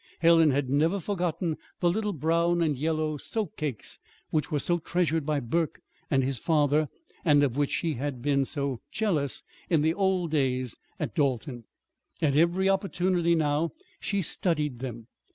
Helen had never forgotten the little brown and yellow "soap cakes" which were so treasured by Burke and his father, and of which she had been so jealous in the old days at Dalton. At every opportunity now she studied them.